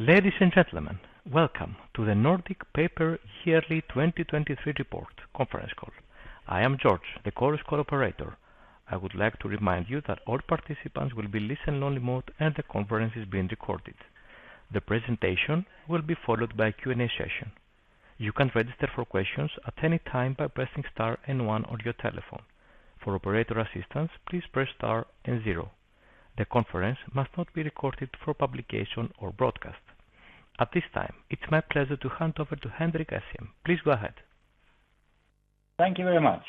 Ladies and gentlemen, welcome to the Nordic Paper Yearly 2023 Report conference call. I am George, the Chorus Call operator. I would like to remind you that all participants will be in listen-only mode, and the conference is being recorded. The presentation will be followed by a Q&A session. You can register for questions at any time by pressing star and one on your telephone. For operator assistance, please press star and zero. The conference must not be recorded for publication or broadcast. At this time, it's my pleasure to hand over to Henrik Essén. Please go ahead. Thank you very much,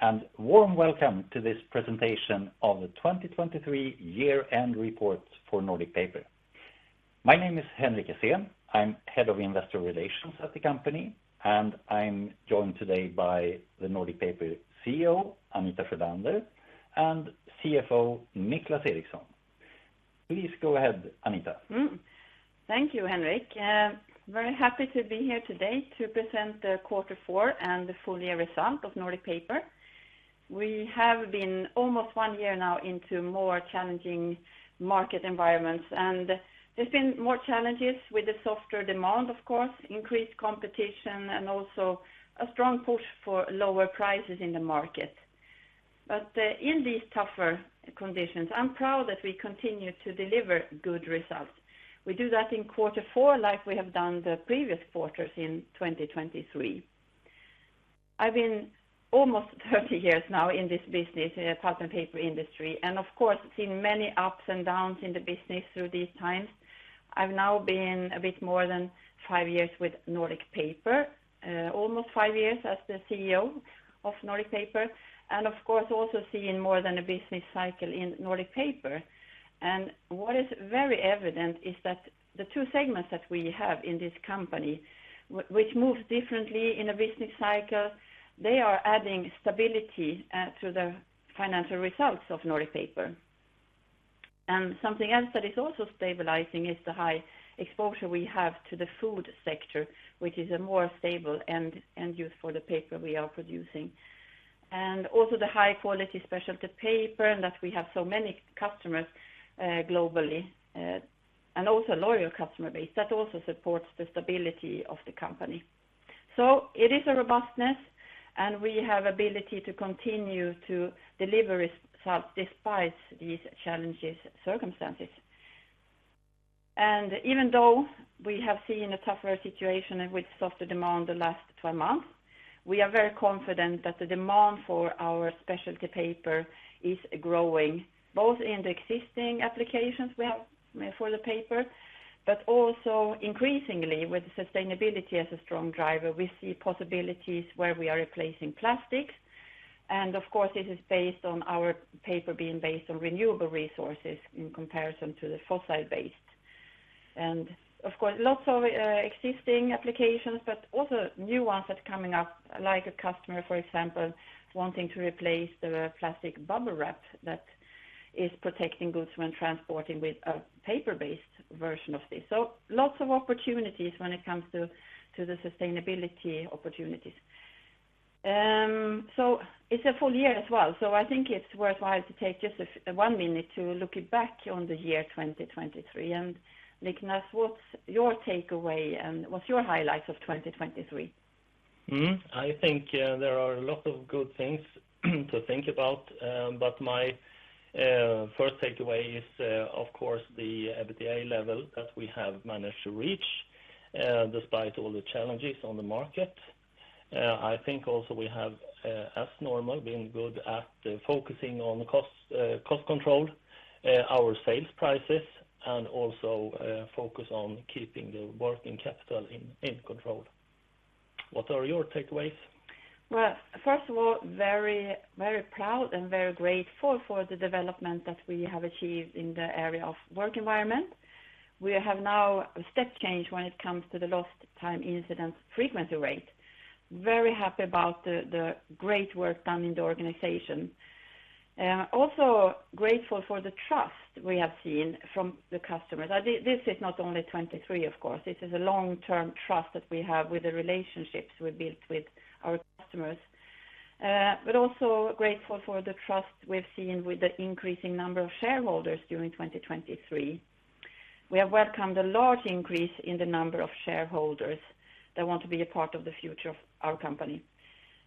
and warm welcome to this presentation of the 2023 year-end report for Nordic Paper. My name is Henrik Essén. I'm Head of Investor Relations at the company, and I'm joined today by the Nordic Paper CEO, Anita Sjölander, and CFO, Niclas Eriksson. Please go ahead, Anita. Mm-hmm. Thank you, Henrik. Very happy to be here today to present the quarter four and the full year result of Nordic Paper. We have been almost one year now into more challenging market environments, and there's been more challenges with the softer demand, of course, increased competition, and also a strong push for lower prices in the market. But, in these tougher conditions, I'm proud that we continue to deliver good results. We do that in quarter four, like we have done the previous quarters in 2023. I've been almost 30 years now in this business, in the pulp and paper industry, and of course, seen many ups and downs in the business through these times. I've now been a bit more than five years with Nordic Paper, almost five years as the CEO of Nordic Paper, and of course, also seen more than a business cycle in Nordic Paper. What is very evident is that the two segments that we have in this company, which moves differently in a business cycle, they are adding stability to the financial results of Nordic Paper. Something else that is also stabilizing is the high exposure we have to the food sector, which is a more stable end use for the paper we are producing. Also the high-quality specialty paper, and that we have so many customers, globally, and also loyal customer base, that also supports the stability of the company. So it is a robustness, and we have ability to continue to deliver results despite these challenges circumstances. Even though we have seen a tougher situation and with softer demand the last 12 months, we are very confident that the demand for our specialty paper is growing, both in the existing applications we have for the paper, but also increasingly with sustainability as a strong driver, we see possibilities where we are replacing plastics. Of course, it is based on our paper being based on renewable resources in comparison to the fossil-based. Of course, lots of existing applications, but also new ones that are coming up, like a customer, for example, wanting to replace the plastic bubble wrap that is protecting goods when transporting with a paper-based version of this. So lots of opportunities when it comes to the sustainability opportunities. So it's a full year as well, so I think it's worthwhile to take just one minute to look back on the year 2023. Niclas, what's your takeaway, and what's your highlights of 2023? Mm-hmm. I think there are a lot of good things to think about, but my first takeaway is, of course, the EBITDA level that we have managed to reach, despite all the challenges on the market. I think also we have, as normal, been good at focusing on costs, cost control, our sales prices, and also focus on keeping the working capital in control. What are your takeaways? Well, first of all, very, very proud and very grateful for the development that we have achieved in the area of work environment. We have now a step change when it comes to the lost time incident frequency rate. Very happy about the great work done in the organization. Also grateful for the trust we have seen from the customers. This is not only 2023, of course, this is a long-term trust that we have with the relationships we built with our customers. But also grateful for the trust we've seen with the increasing number of shareholders during 2023. We have welcomed a large increase in the number of shareholders that want to be a part of the future of our company.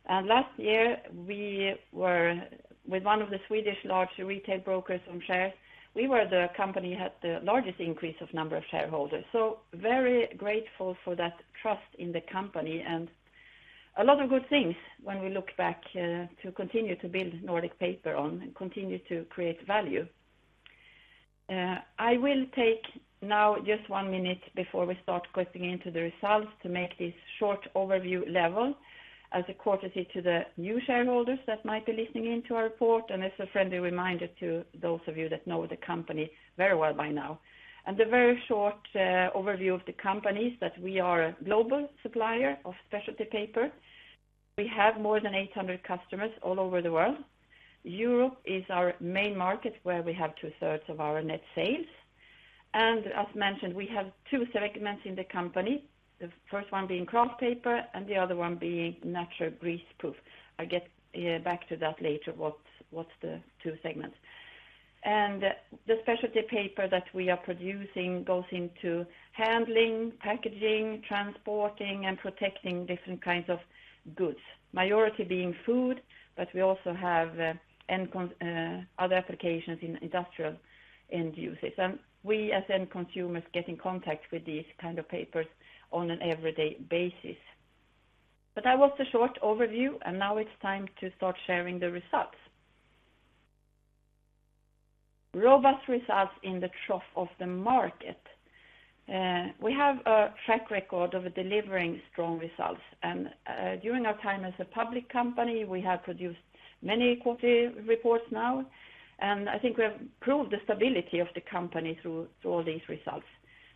Last year, we were with one of the Swedish large retail brokers on shares. We were the company had the largest increase of number of shareholders, so very grateful for that trust in the company. A lot of good things when we look back, to continue to build Nordic Paper on and continue to create value. I will take now just one minute before we start getting into the results to make this short overview level as a courtesy to the new shareholders that might be listening in to our report, and as a friendly reminder to those of you that know the company very well by now. A very short, overview of the company, is that we are a global supplier of specialty paper. We have more than 800 customers all over the world. Europe is our main market, where we have two-thirds of our net sales. As mentioned, we have two segments in the company, the first one being kraft paper and the other one being natural greaseproof. I'll get back to that later, what's the two segments. The specialty paper that we are producing goes into handling, packaging, transporting, and protecting different kinds of goods, majority being food, but we also have other applications in industrial end uses. We, as end consumers, get in contact with these kind of papers on an everyday basis. But that was a short overview, and now it's time to start sharing the results. Robust results in the trough of the market. We have a track record of delivering strong results, and during our time as a public company, we have produced many quarterly reports now, and I think we have proved the stability of the company through all these results.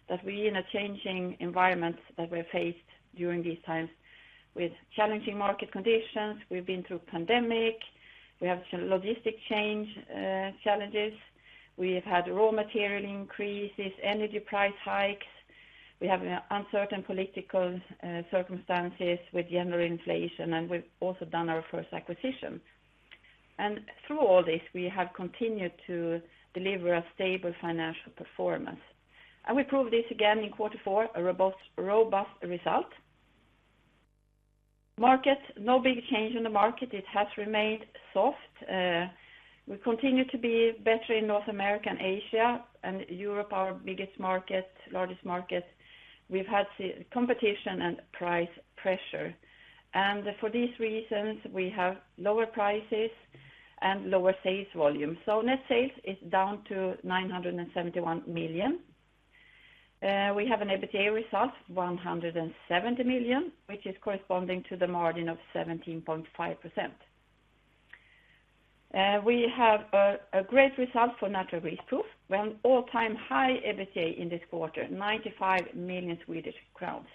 That we, in a changing environment that we're faced during these times with challenging market conditions, we've been through pandemic, we have logistic change challenges, we have had raw material increases, energy price hikes, we have uncertain political circumstances with general inflation, and we've also done our first acquisition. And through all this, we have continued to deliver a stable financial performance, and we proved this again in quarter four, a robust, robust result. Market, no big change in the market. It has remained soft. We continue to be better in North America and Asia, and Europe, our biggest market, largest market, we've had severe competition and price pressure. And for these reasons, we have lower prices and lower sales volume. So net sales is down to 971 million. We have an EBITDA result, 170 million, which is corresponding to the margin of 17.5%. We have a great result for Natural Greaseproof. We have an all-time high EBITDA in this quarter, 95 million Swedish crowns.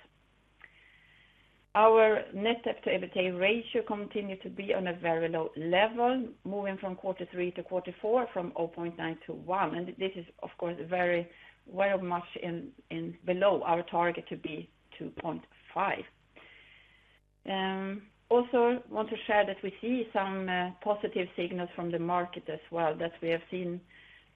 Our net debt to EBITDA ratio continued to be on a very low level, moving from quarter three to quarter four, from 0.9 to 1, and this is, of course, very much below our target to be 2.5. Also want to share that we see some positive signals from the market as well, that we have seen,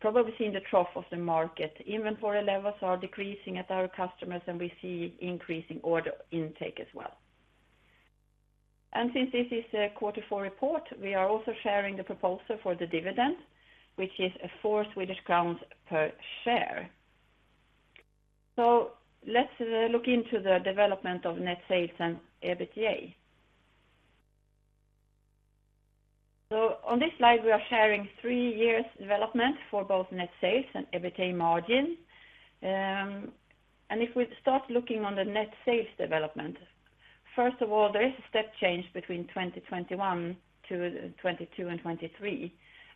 probably seen the trough of the market. Inventory levels are decreasing at our customers, and we see increasing order intake as well. Since this is a quarter four report, we are also sharing the proposal for the dividend, which is 4 Swedish crowns per share. Let's look into the development of net sales and EBITDA. On this slide, we are sharing three years development for both net sales and EBITDA margin. And if we start looking on the net sales development, first of all, there is a step change between 2021 to 2022 and 2023,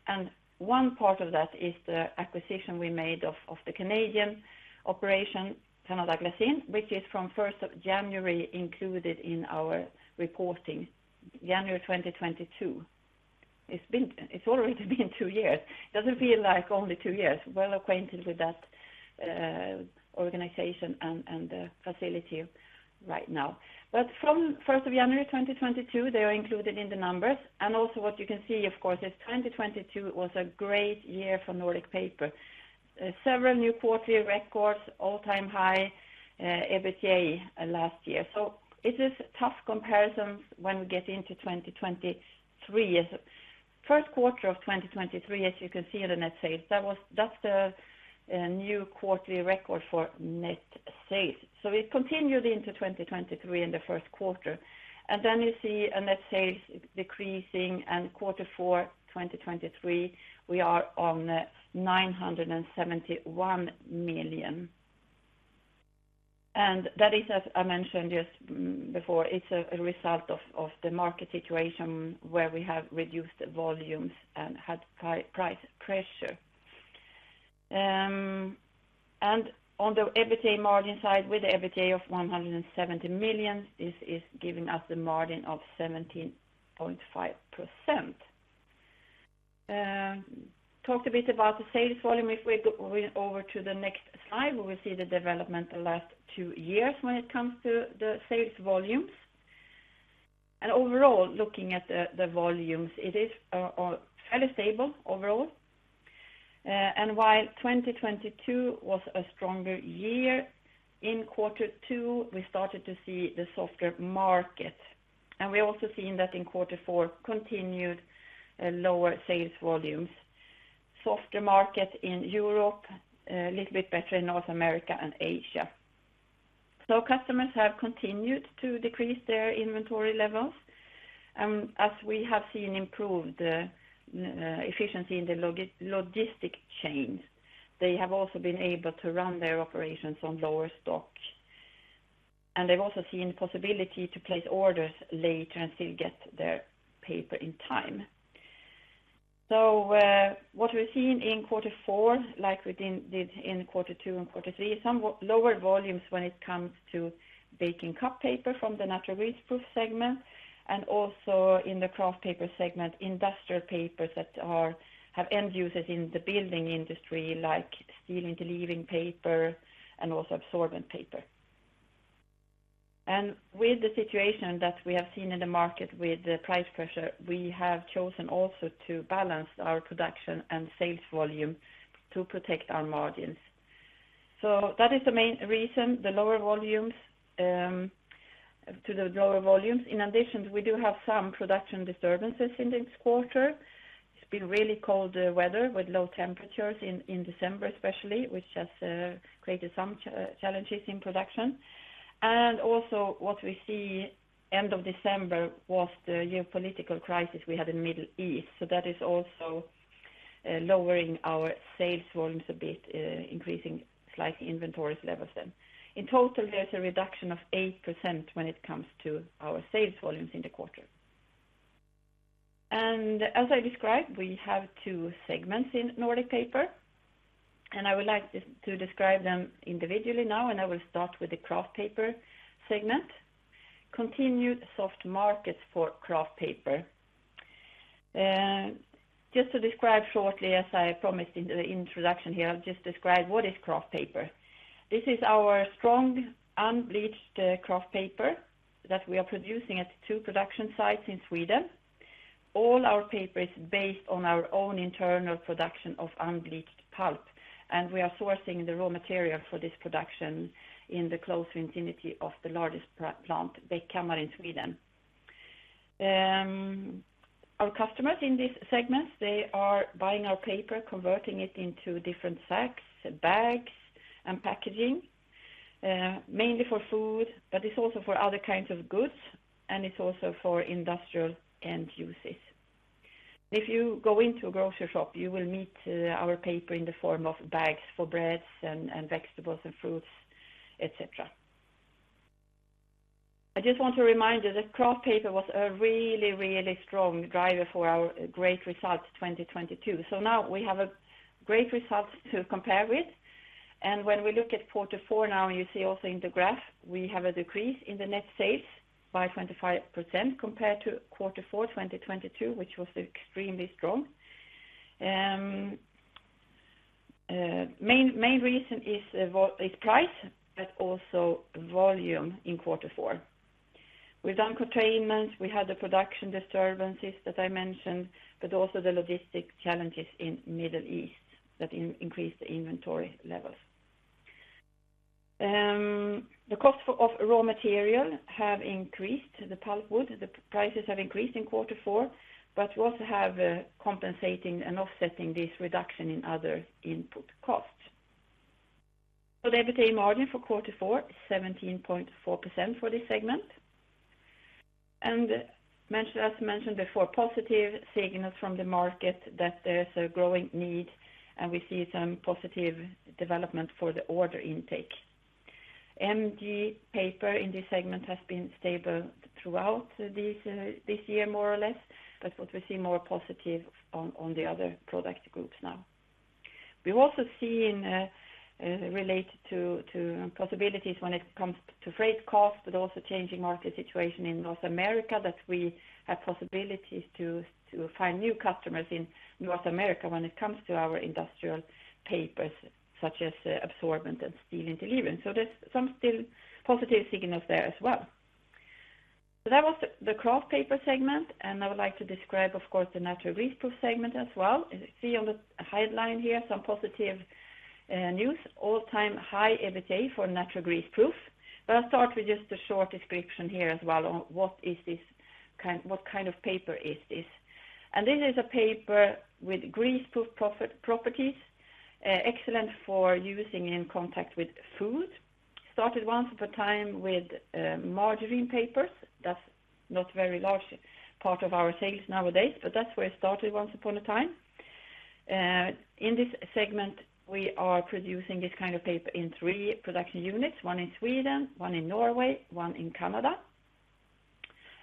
and one part of that is the acquisition we made of, of the Canadian operation, Glassine Canada, which is from first of January, included in our reporting, January 2022. It's already been two years. Doesn't feel like only two years. Well acquainted with that organization and the facility right now. But from first of January 2022, they are included in the numbers, and also what you can see, of course, is 2022 was a great year for Nordic Paper. Several new quarterly records, all-time high EBITDA last year. So it is tough comparisons when we get into 2023. In the first quarter of 2023, as you can see in the net sales, that's the new quarterly record for net sales. So we've continued into 2023 in the first quarter, and then you see net sales decreasing, and in quarter four, 2023, we are on 971 million. And that is, as I mentioned just before, it's a result of the market situation where we have reduced volumes and had price pressure. And on the EBITDA margin side, with EBITDA of 170 million, this is giving us the margin of 17.5%. Talked a bit about the sales volume. If we go over to the next slide, we will see the development the last two years when it comes to the sales volumes. Overall, looking at the volumes, it is fairly stable overall. While 2022 was a stronger year, in quarter two, we started to see the softer market. We also seen that in quarter four, continued lower sales volumes. Softer market in Europe, little bit better in North America and Asia. So customers have continued to decrease their inventory levels, and as we have seen improved efficiency in the logistic chain, they have also been able to run their operations on lower stock. They've also seen the possibility to place orders later and still get their paper in time. So, what we've seen in quarter four, like we did in quarter two and quarter three, some lower volumes when it comes to baking cup paper from the Natural Greaseproof segment, and also in the kraft paper segment, industrial papers that have end users in the building industry, like steel interleaving paper and also absorbent paper. With the situation that we have seen in the market with the price pressure, we have chosen also to balance our production and sales volume to protect our margins. So that is the main reason, the lower volumes, to the lower volumes. In addition, we do have some production disturbances in this quarter. It's been really cold weather with low temperatures in December, especially, which has created some challenges in production. Also what we see end of December was the geopolitical crisis we had in Middle East. That is also lowering our sales volumes a bit, increasing slight inventory levels then. In total, there's a reduction of 8% when it comes to our sales volumes in the quarter. As I described, we have two segments in Nordic Paper, and I would like to, to describe them individually now, and I will start with the kraft paper segment. Continued soft markets for kraft paper. Just to describe shortly, as I promised in the introduction here, I'll just describe what is kraft paper. This is our strong unbleached kraft paper that we are producing at two production sites in Sweden. All our paper is based on our own internal production of unbleached pulp, and we are sourcing the raw material for this production in the close vicinity of the largest plant, Bäckhammar, in Sweden. Our customers in this segment, they are buying our paper, converting it into different sacks, bags, and packaging, mainly for food, but it's also for other kinds of goods, and it's also for industrial end uses. If you go into a grocery shop, you will meet our paper in the form of bags for breads and vegetables and fruits, et cetera. I just want to remind you that kraft paper was a really, really strong driver for our great results, 2022. So now we have a great result to compare with. When we look at quarter four now, you see also in the graph, we have a decrease in the net sales by 25% compared to quarter four, 2022, which was extremely strong. Main reason is price, but also volume in quarter four. We've done containments, we had the production disturbances that I mentioned, but also the logistic challenges in Middle East that increased the inventory levels. The cost of raw material have increased, the pulpwood, the prices have increased in quarter four, but we also have compensating and offsetting this reduction in other input costs. So the EBITDA margin for quarter four, 17.4% for this segment. As mentioned before, positive signals from the market that there's a growing need, and we see some positive development for the order intake. MG paper in this segment has been stable throughout this year, more or less, but what we see more positive on the other product groups now. We've also seen related to possibilities when it comes to freight costs, but also changing market situation in North America, that we have possibilities to find new customers in North America when it comes to our industrial papers, such as absorbent and steel interleave. So there's some still positive signals there as well. So that was the kraft paper segment, and I would like to describe, of course, the Natural Greaseproof segment as well. As you see on the headline here, some positive news, all-time high EBITDA for Natural Greaseproof. But I'll start with just a short description here as well on what kind of paper is this? This is a paper with greaseproof properties, excellent for using in contact with food. Started once upon a time with margarine papers. That's not very large part of our sales nowadays, but that's where it started once upon a time. In this segment, we are producing this kind of paper in three production units, one in Sweden, one in Norway, one in Canada.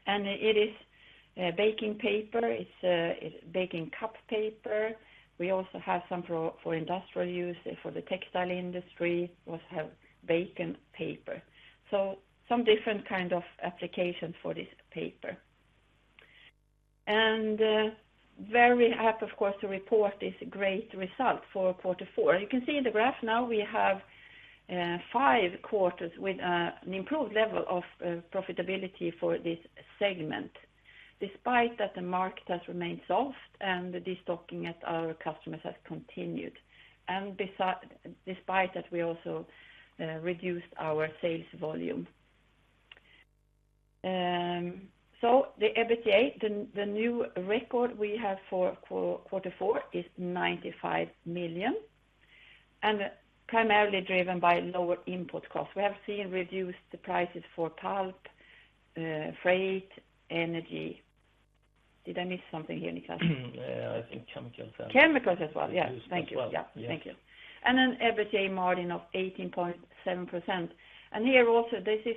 It is baking paper; it's baking cup paper. We also have some for industrial use, for the textile industry. We also have bacon paper. So some different kind of applications for this paper. Very happy, of course, to report this great result for quarter four. You can see in the graph now we have five quarters with an improved level of profitability for this segment, despite that the market has remained soft and the destocking at our customers has continued, and despite that, we also reduced our sales volume. So the EBITDA, the new record we have for quarter four is 95 million, and primarily driven by lower input costs. We have seen reduced the prices for pulp, freight, energy. Did I miss something here, Nicholas? Yeah, I think chemicals. Chemicals as well. Yeah, thank you. As well. Yeah, thank you. An EBITDA margin of 18.7%. Here also, this is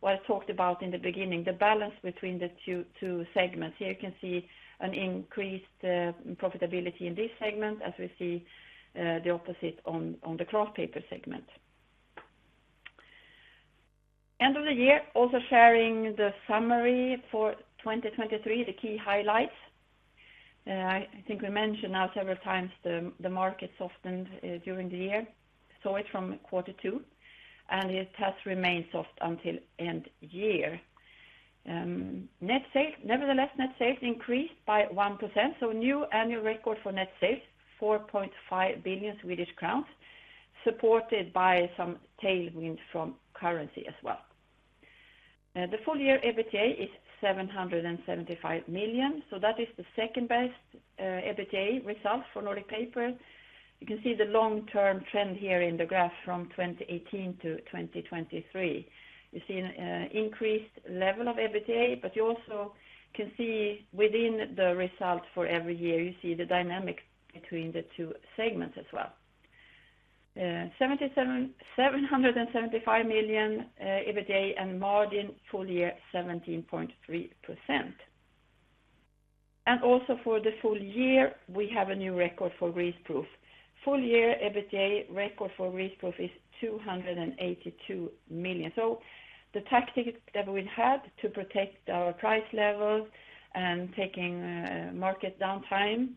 what I talked about in the beginning, the balance between the two segments. Here you can see an increased profitability in this segment, as we see the opposite on the kraft paper segment. End of the year, also sharing the summary for 2023, the key highlights. I think we mentioned now several times, the market softened during the year, saw it from quarter two, and it has remained soft until end year. Net sales, nevertheless, net sales increased by 1%, so new annual record for net sales, 4.5 billion Swedish crowns, supported by some tailwinds from currency as well. The full year EBITDA is 775 million, so that is the second-best EBITDA result for Nordic Paper. You can see the long-term trend here in the graph from 2018 to 2023. You see an increased level of EBITDA, but you also can see within the results for every year, you see the dynamic between the two segments as well. 775 million EBITDA and margin full year, 17.3%. And also for the full year, we have a new record for greaseproof. Full year EBITDA record for greaseproof is 282 million. So the tactic that we've had to protect our price levels and taking market downtime,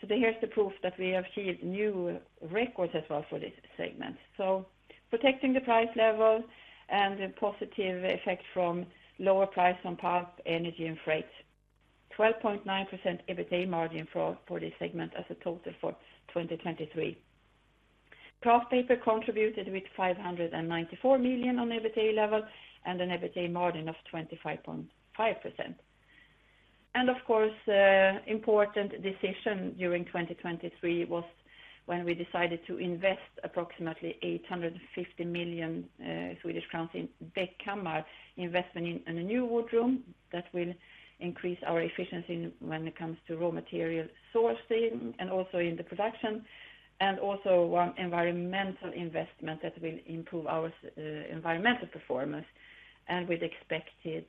so here's the proof that we have achieved new records as well for this segment. So protecting the price level and the positive effect from lower price on pulp, energy, and freight. 12.9% EBITDA margin for this segment as a total for 2023. Kraft paper contributed with 594 million on EBITDA level and an EBITDA margin of 25.5%. And of course, important decision during 2023 was when we decided to invest approximately 850 million Swedish crowns in Bäckhammar, investment in a new wood room that will increase our efficiency when it comes to raw material sourcing and also in the production, and also one environmental investment that will improve our environmental performance, and with expected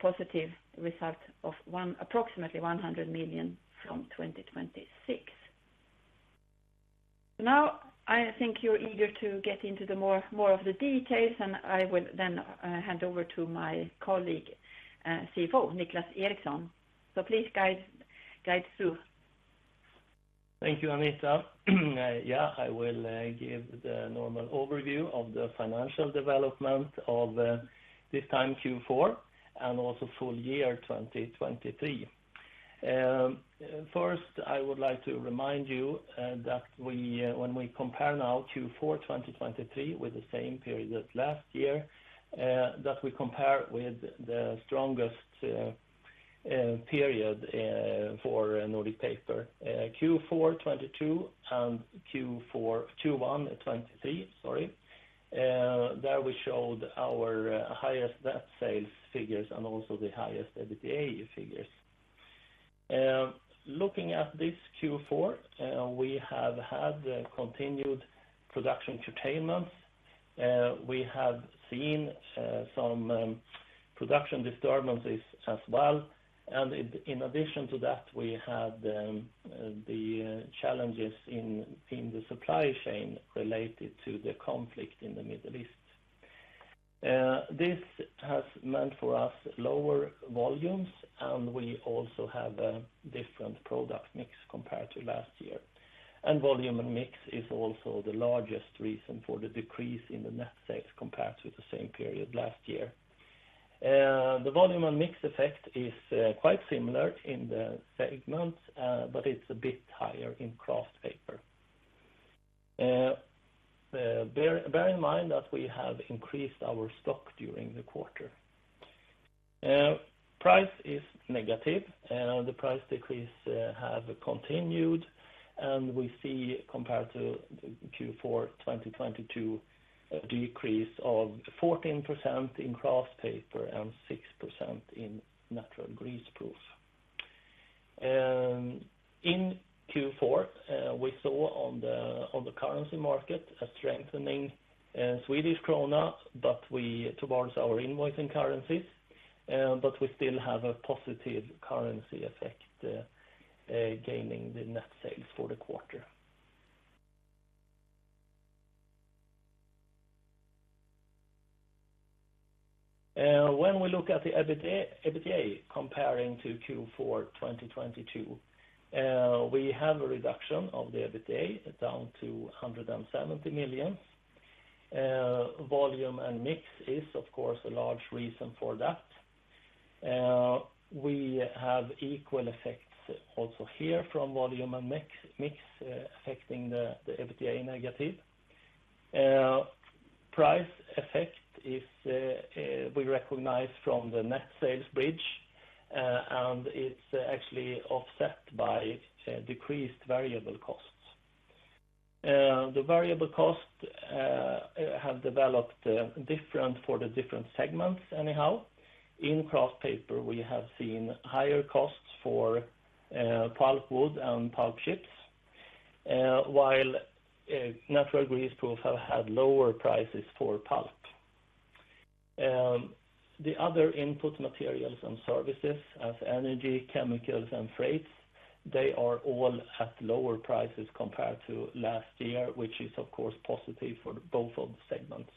positive result of approximately 100 million from 2026. Now, I think you're eager to get into the more of the details, and I will then hand over to my colleague, CFO, Niclas Eriksson. So please guide through. Thank you, Anita. Yeah, I will give the normal overview of the financial development of this time, Q4, and also full year 2023. First, I would like to remind you that we, when we compare now Q4 2023 with the same period last year, that we compare with the strongest period for Nordic Paper, Q4 2022 and Q4 21 and 2023, sorry, there we showed our highest net sales figures and also the highest EBITDA figures. Looking at this Q4, we have had continued production curtailment. We have seen some production disturbances as well, and in addition to that, we had the challenges in the supply chain related to the conflict in the Middle East. This has meant for us lower volumes, and we also have a different product mix compared to last year. Volume and mix is also the largest reason for the decrease in the net sales compared to the same period last year. The volume and mix effect is quite similar in the segments, but it's a bit higher in kraft paper. Bear in mind that we have increased our stock during the quarter. Price is negative, and the price decrease have continued, and we see, compared to Q4 2022, a decrease of 14% in kraft paper and 6% in natural greaseproof. In Q4, we saw on the currency market a strengthening Swedish krona, but we towards our invoicing currencies, but we still have a positive currency effect gaining the net sales for the quarter. When we look at the EBITDA, EBITDA comparing to Q4 2022, we have a reduction of the EBITDA down to 170 million. Volume and mix is, of course, a large reason for that. We have equal effects also here from volume and mix, mix affecting the EBITDA negative. Price effect is we recognize from the net sales bridge, and it's actually offset by decreased variable costs. The variable costs have developed different for the different segments anyhow. In kraft paper, we have seen higher costs for pulpwood and pulp chips, while natural greaseproof have had lower prices for pulp. The other input materials and services, as energy, chemicals, and freights, they are all at lower prices compared to last year, which is, of course, positive for both of the segments.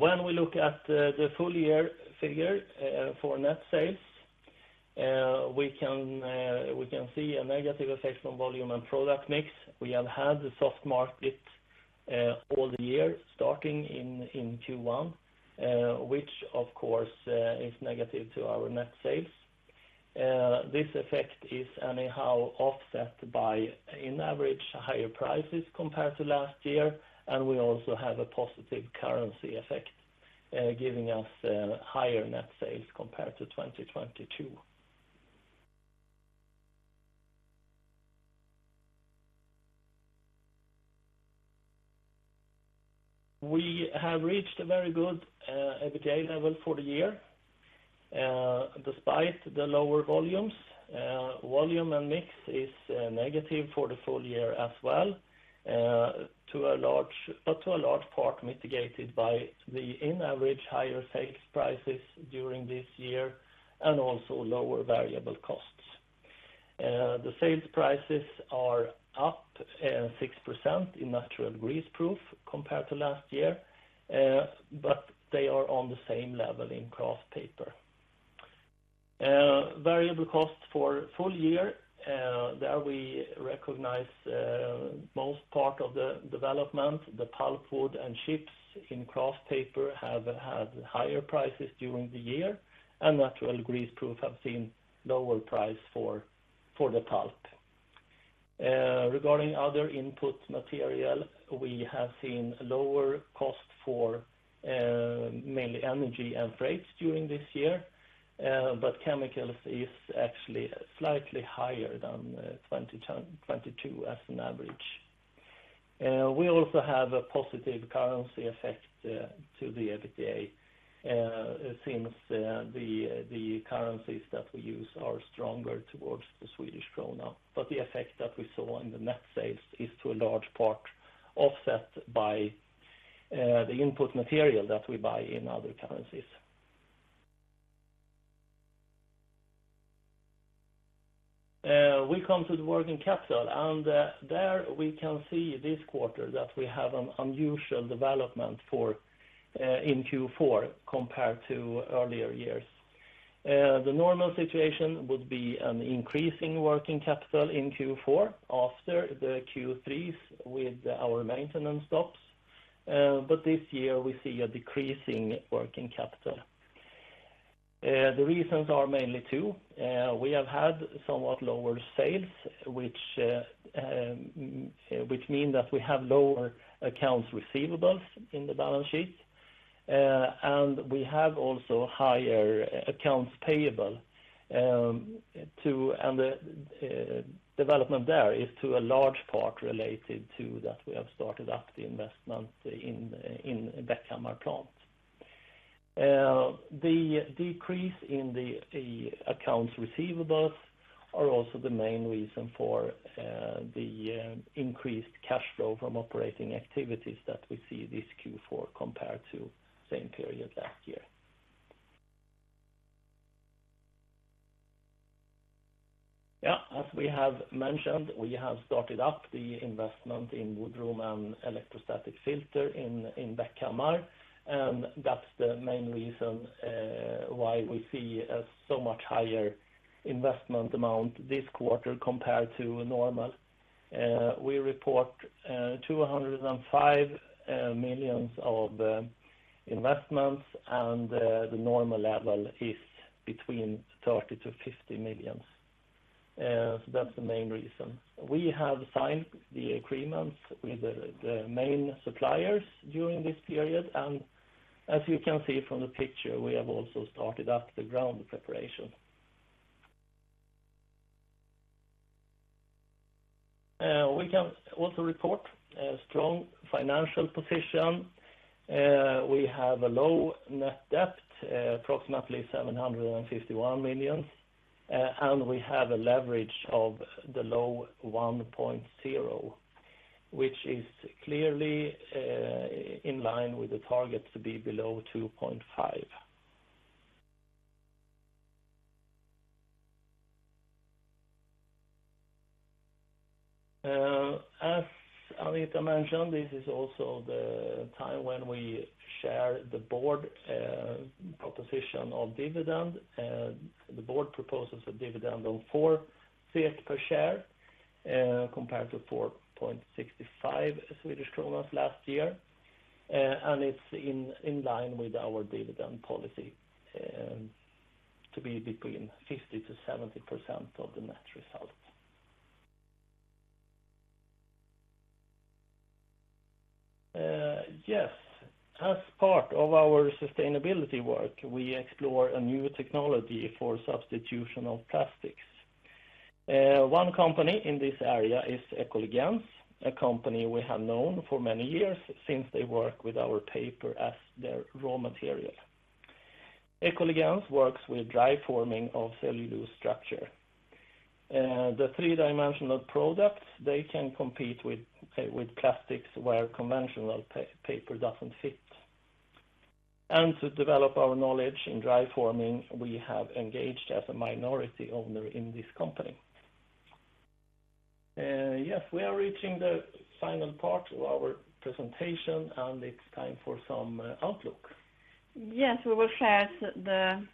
When we look at the full year figure for net sales, we can see a negative effect from volume and product mix. We have had the soft market all the year, starting in Q1, which of course is negative to our net sales. This effect is anyhow offset by, in average, higher prices compared to last year, and we also have a positive currency effect, giving us higher net sales compared to 2022. We have reached a very good EBITDA level for the year despite the lower volumes. Volume and mix is negative for the full year as well, to a large, but to a large part mitigated by the in average higher sales prices during this year, and also lower variable costs. The sales prices are up 6% in natural greaseproof compared to last year, but they are on the same level in kraft paper. Variable costs for full year, there we recognize most part of the development, the pulpwood and chips in kraft paper have had higher prices during the year, and natural greaseproof have seen lower price for the pulp. Regarding other input material, we have seen lower cost for mainly energy and freights during this year, but chemicals is actually slightly higher than 22 as an average. We also have a positive currency effect to the EBITDA, since the currencies that we use are stronger towards the Swedish krona. But the effect that we saw in the net sales is, to a large part, offset by the input material that we buy in other currencies. We come to the working capital, and there we can see this quarter that we have an unusual development for in Q4 compared to earlier years. The normal situation would be an increase in working capital in Q4 after the Q3s with our maintenance stops, but this year we see a decreasing working capital. The reasons are mainly two. We have had somewhat lower sales, which mean that we have lower accounts receivables in the balance sheet, and we have also higher accounts payable. And the development there is, to a large part, related to that we have started up the investment in Bäckhammar plant. The decrease in the accounts receivables are also the main reason for the increased cash flow from operating activities that we see this Q4 compared to same period last year. Yeah, as we have mentioned, we have started up the investment in wood room and electrostatic filter in Bäckhammar, and that's the main reason why we see a so much higher investment amount this quarter compared to normal. We report 205 million of investments, and the normal level is between 30 million-50 million. So that's the main reason. We have signed the agreements with the main suppliers during this period, and as you can see from the picture, we have also started up the ground preparation. We can also report a strong financial position. We have a low net debt, approximately 751 million, and we have a leverage of the low 1.0, which is clearly in line with the target to be below 2.5. As Anita mentioned, this is also the time when we share the board proposition of dividend. The board proposes a dividend of 4 SEK per share, compared to 4.65 Swedish kronor last year. And it's in line with our dividend policy to be between 50%-70% of the net result. Yes, as part of our sustainability work, we explore a new technology for substitution of plastics. One company in this area is Ekoligens, a company we have known for many years since they work with our paper as their raw material. Ekoligens works with dry forming of cellulose structure. The three-dimensional products they can compete with plastics where conventional paper doesn't fit.... and to develop our knowledge in dry forming, we have engaged as a minority owner in this company. Yes, we are reaching the final part of our presentation, and it's time for some outlook. Yes, we will share the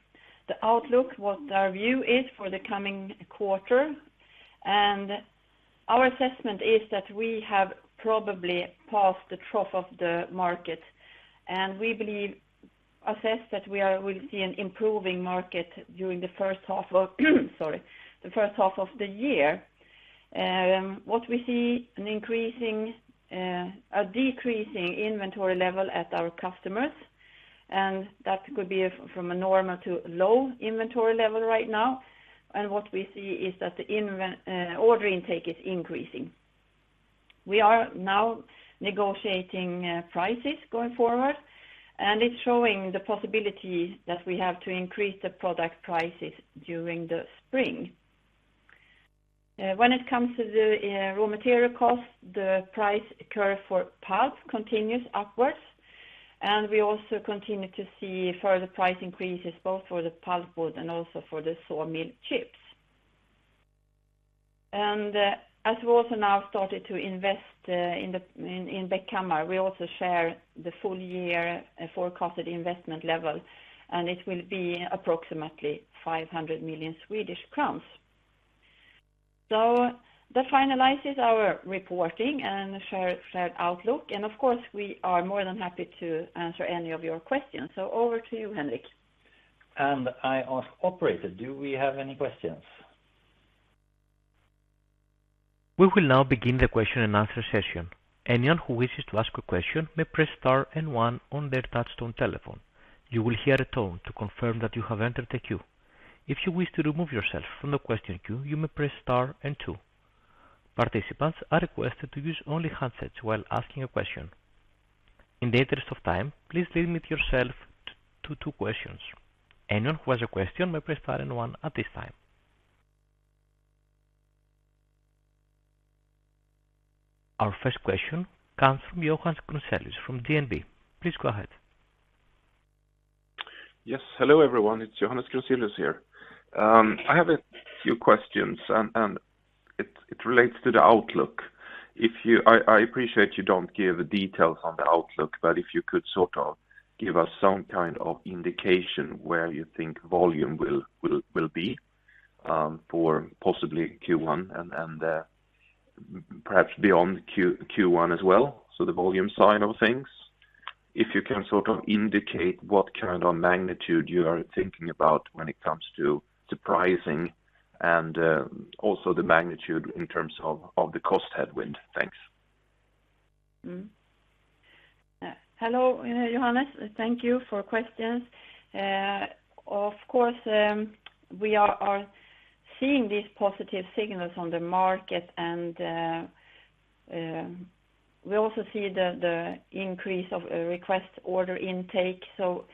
outlook, what our view is for the coming quarter. Our assessment is that we have probably passed the trough of the market, and we believe assess that we'll see an improving market during the first half of, sorry, the first half of the year. What we see, an increasing, a decreasing inventory level at our customers, and that could be from a normal to low inventory level right now. And what we see is that the order intake is increasing. We are now negotiating prices going forward, and it's showing the possibility that we have to increase the product prices during the spring. When it comes to the raw material cost, the price curve for pulp continues upwards, and we also continue to see further price increases, both for the pulpwood and also for the sawmill chips. And, as we've also now started to invest in Bäckhammar, we also share the full year forecasted investment level, and it will be approximately 500 million Swedish crowns. So that finalizes our reporting and shared outlook, and of course, we are more than happy to answer any of your questions. So over to you, Henrik. I ask, operator, do we have any questions? We will now begin the question and answer session. Anyone who wishes to ask a question may press star and one on their touchtone telephone. You will hear a tone to confirm that you have entered the queue. If you wish to remove yourself from the question queue, you may press star and two. Participants are requested to use only handsets while asking a question. In the interest of time, please limit yourself to two questions. Anyone who has a question may press star and one at this time. Our first question comes from Johannes Grunselius, from DNB. Please go ahead. Yes. Hello, everyone, it's Johannes Grunselius here. I have a few questions, and it relates to the outlook. I appreciate you don't give details on the outlook, but if you could sort of give us some kind of indication where you think volume will be for possibly Q1 and perhaps beyond Q1 as well. So the volume side of things. If you can sort of indicate what kind of magnitude you are thinking about when it comes to pricing, and also the magnitude in terms of the cost headwind. Thanks. Hello, Johannes, thank you for questions. Of course, we are seeing these positive signals on the market, and we also see the increase of request order intake. So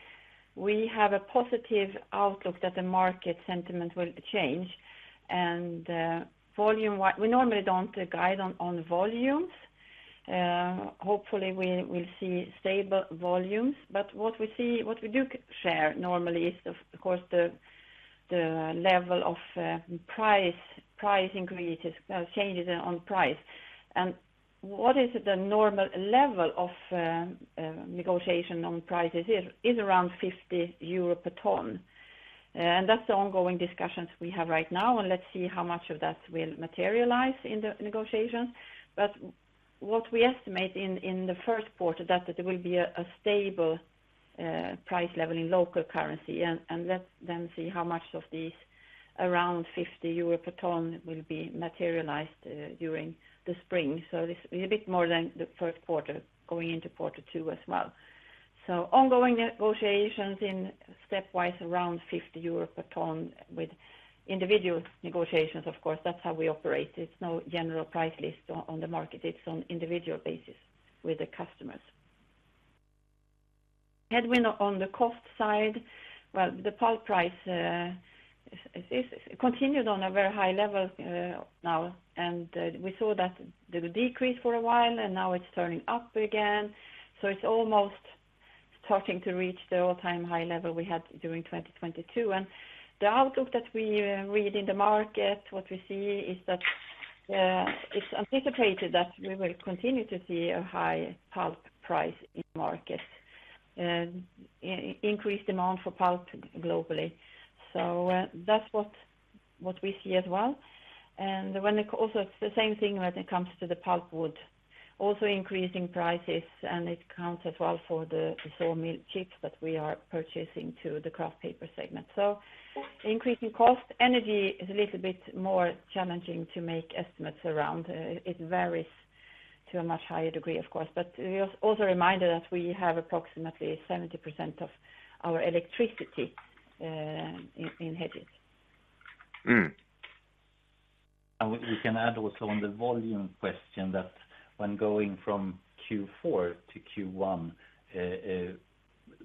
we have a positive outlook that the market sentiment will change. And, volume-wise, we normally don't guide on volumes. Hopefully, we will see stable volumes, but what we see, what we do share normally is, of course, the level of price increases, changes on price. And what is the normal level of negotiation on prices is around 50 euro per ton. And that's the ongoing discussions we have right now, and let's see how much of that will materialize in the negotiations. But what we estimate in the first quarter, that there will be a stable price level in local currency, and let's then see how much of these around 50 euro per ton will be materialized during the spring. So this is a bit more than the first quarter going into quarter two as well. So ongoing negotiations in stepwise, around 50 euro per ton with individual negotiations, of course, that's how we operate. It's no general price list on the market, it's on individual basis with the customers. Headwind on the cost side, well, the pulp price is continued on a very high level now, and we saw that there was decrease for a while, and now it's turning up again. So it's almost starting to reach the all-time high level we had during 2022. The outlook that we read in the market, what we see is that it's anticipated that we will continue to see a high pulp price in the market, increased demand for pulp globally. That's what we see as well. Also, it's the same thing when it comes to the pulpwood. Also increasing prices, and it counts as well for the sawmill chips that we are purchasing to the kraft paper segment. So increasing cost, energy is a little bit more challenging to make estimates around. It varies to a much higher degree, of course, but we are also reminded that we have approximately 70% of our electricity in hedges. Mm-hmm. And we can add also on the volume question, that when going from Q4 to Q1,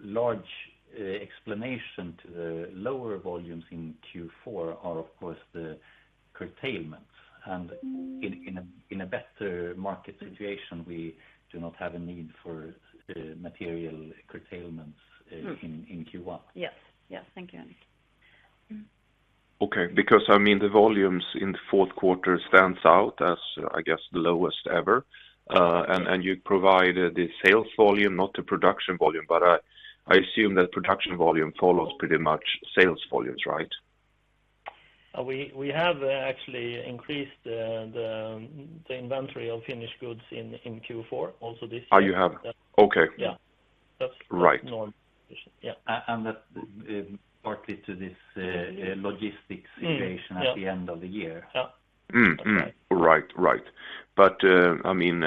largeexplanation to the lower volumes in Q4 are, of course, the curtailments. And in a better market situation, we do not have a need for material curtailments in Q1. Yes. Yes, thank you, Henrik. Okay. Because, I mean, the volumes in the fourth quarter stands out as, I guess, the lowest ever. And you provide the sales volume, not the production volume, but I assume that production volume follows pretty much sales volumes, right? We have actually increased the inventory of finished goods in Q4, also this year. Ah, you have? Okay. Yeah. Right. Yeah. And that, partly to this, logistics situation- Mm. Yeah at the end of the year. Yeah. Right. Right. But, I mean,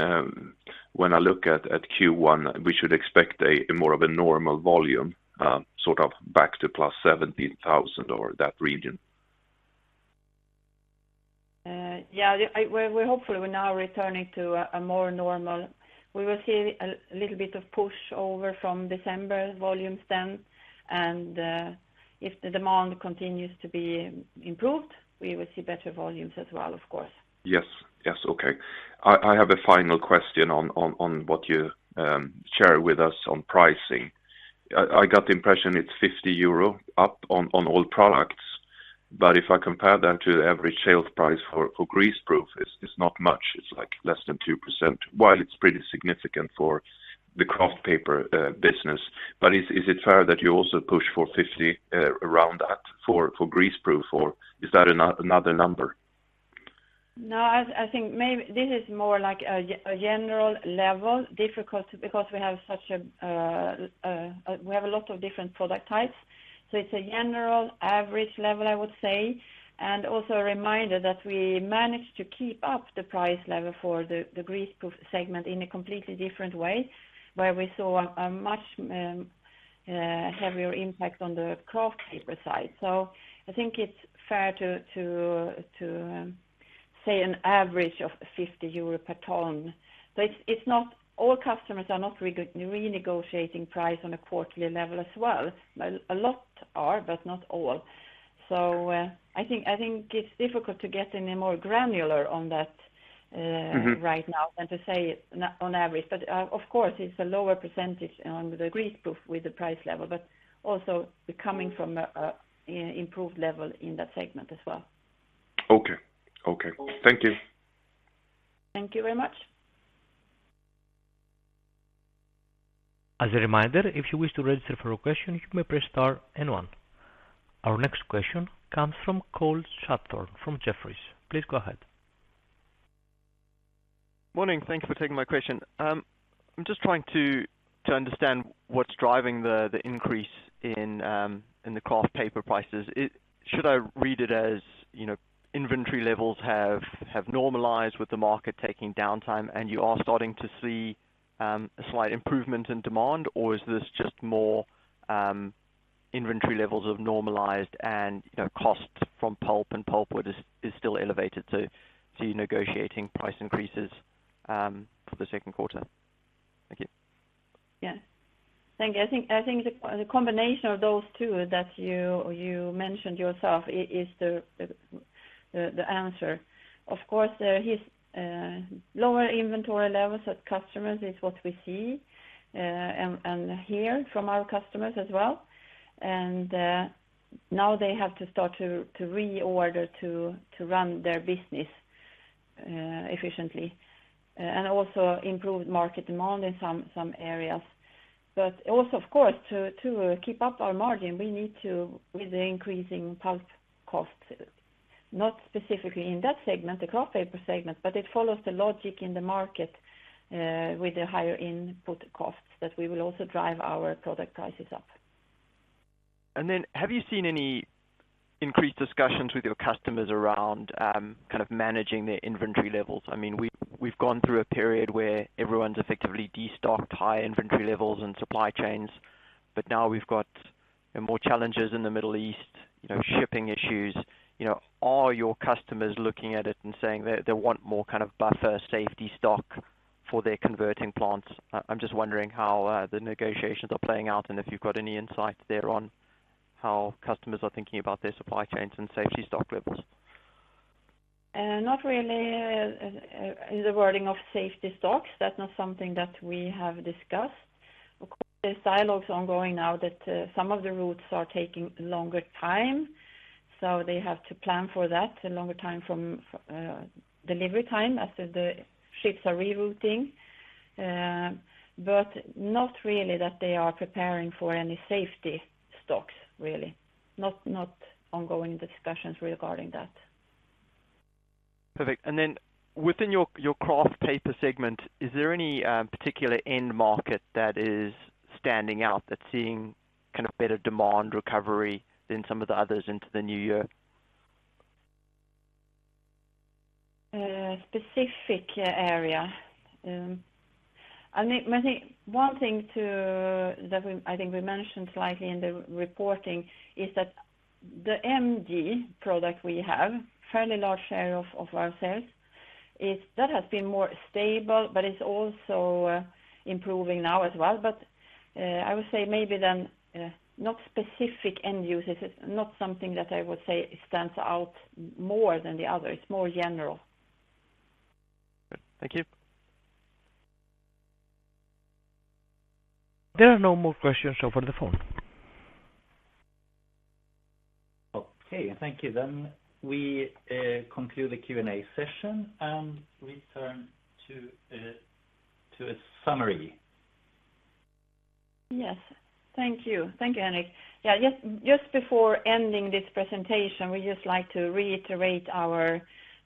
when I look at Q1, we should expect more of a normal volume, sort of back to +70,000 or that region? Yeah, we're hopefully now returning to a more normal... We will see a little bit of push over from December volume stand. If the demand continues to be improved, we will see better volumes as well, of course. Yes, yes, okay. I have a final question on what you share with us on pricing. I got the impression it's 50 euro up on all products, but if I compare that to the average sales price for Greaseproof, it's not much. It's, like, less than 2%, while it's pretty significant for the kraft paper business. But is it fair that you also push for 50, around that for Greaseproof, or is that another number? No, I think this is more like a general level, difficult because we have such a, we have a lot of different product types. So it's a general average level, I would say. And also a reminder that we managed to keep up the price level for the Greaseproof segment in a completely different way, where we saw a much heavier impact on the kraft paper side. So I think it's fair to say an average of 50 euro per ton. But it's not all customers are not renegotiating price on a quarterly level as well. A lot are, but not all. So I think it's difficult to get any more granular on that. Mm-hmm... right now than to say on average. But, of course, it's a lower percentage on the Greaseproof with the price level, but also we're coming from an improved level in that segment as well. Okay. Okay. Thank you. Thank you very much. As a reminder, if you wish to register for a question, you may press star and one. Our next question comes from Cole Hathorn from Jefferies. Please go ahead. Morning. Thank you for taking my question. I'm just trying to understand what's driving the increase in the kraft paper prices. Should I read it as, you know, inventory levels have normalized with the market taking downtime, and you are starting to see a slight improvement in demand? Or is this just more inventory levels have normalized and, you know, cost from pulp and pulpwood is still elevated, so you're negotiating price increases for the second quarter? Thank you. Yeah. Thank you. I think the combination of those two that you mentioned yourself is the answer. Of course, lower inventory levels at customers is what we see and hear from our customers as well. And now they have to start to reorder to run their business efficiently and also improve market demand in some areas. But also, of course, to keep up our margin, we need to, with the increasing pulp costs, not specifically in that segment, the kraft paper segment, but it follows the logic in the market, with the higher input costs, that we will also drive our product prices up. Then have you seen any increased discussions with your customers around kind of managing their inventory levels? I mean, we've gone through a period where everyone's effectively destocked high inventory levels and supply chains, but now we've got more challenges in the Middle East, you know, shipping issues. You know, are your customers looking at it and saying they want more kind of buffer safety stock for their converting plants? I'm just wondering how the negotiations are playing out, and if you've got any insight there on how customers are thinking about their supply chains and safety stock levels. Not really, in the wording of safety stocks. That's not something that we have discussed. Of course, the dialogue's ongoing now that some of the routes are taking longer time, so they have to plan for that, a longer time from delivery time, as the ships are rerouting. But not really that they are preparing for any safety stocks, really. Not ongoing discussions regarding that. Perfect. And then within your, your kraft paper segment, is there any particular end market that is standing out, that's seeing kind of better demand recovery than some of the others into the new year? Specific area? I think, I think one thing to, that we, I think we mentioned slightly in the reporting, is that the MG product we have, fairly large share of, of our sales... It's, that has been more stable, but it's also, improving now as well. But, I would say maybe then, not specific end users, it's not something that I would say stands out more than the others, it's more general. Thank you. There are no more questions over the phone. Okay, thank you, then. We conclude the Q&A session and return to a summary. Yes. Thank you. Thank you, Henrik. Yeah, just before ending this presentation, we just like to reiterate our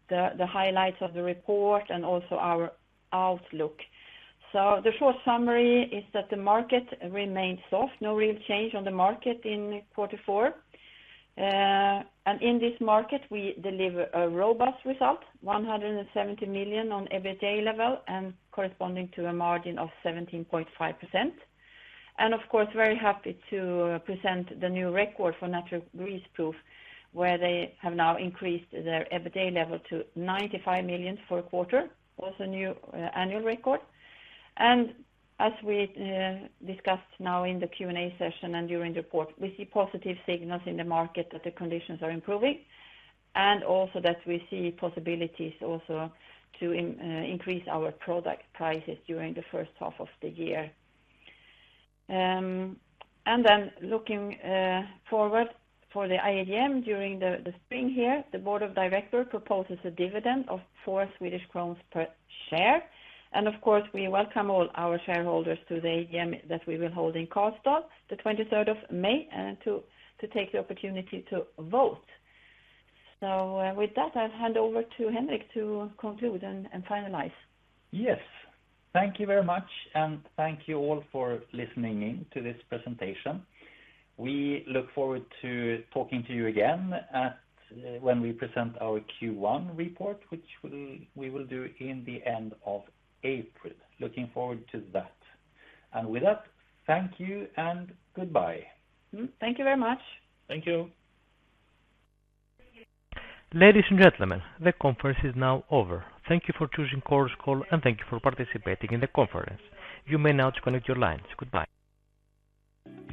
the highlights of the report and also our outlook. So the short summary is that the market remains soft, no real change on the market in quarter four. And in this market, we deliver a robust result, 170 million on EBITDA level and corresponding to a margin of 17.5%. And of course, very happy to present the new record for Natural Greaseproof, where they have now increased their EBITDA level to 95 million for a quarter, also new annual record. As we discussed now in the Q&A session and during the report, we see positive signals in the market that the conditions are improving, and also that we see possibilities also to increase our product prices during the first half of the year. And then looking forward for the AGM during the spring here, the board of directors proposes a dividend of 4 Swedish crowns per share. And of course, we welcome all our shareholders to the AGM that we will hold in Karlstad, the 23rd of May, and to take the opportunity to vote. So, with that, I'll hand over to Henrik to conclude and finalize. Yes. Thank you very much, and thank you all for listening in to this presentation. We look forward to talking to you again at, when we present our Q1 report, which we will, we will do in the end of April. Looking forward to that. And with that, thank you and goodbye. Mm-hmm. Thank you very much. Thank you. Ladies and gentlemen, the conference is now over. Thank you for choosing Chorus Call, and thank you for participating in the conference. You may now disconnect your lines. Goodbye.